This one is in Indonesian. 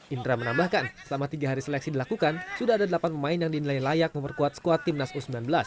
indra menambahkan selama tiga hari seleksi dilakukan sudah ada delapan pemain yang dinilai layak memperkuat skuad timnas u sembilan belas